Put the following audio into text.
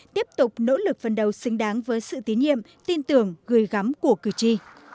tiếp tục nỗ lực phần đầu xứng đáng với sự tín nhiệm tin tưởng gửi gắm của cử tri